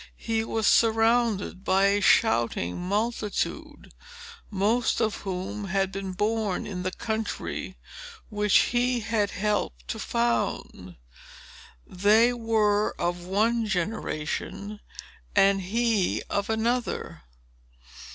He was surrounded by a shouting multitude, most of whom had been born in the country which he had helped to found. They were of one generation, and he of another.